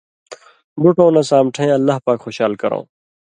بُٹؤں نہ سامٹَھیں اللہ پاک خوشال کرؤں،